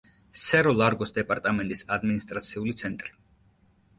სერო-ლარგოს დეპარტამენტის ადმინისტრაციული ცენტრი.